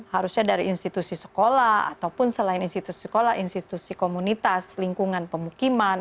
harusnya dari institusi sekolah ataupun selain institusi sekolah institusi komunitas lingkungan pemukiman